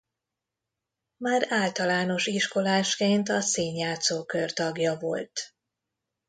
Már általános iskolásként a színjátszókör tagja volt.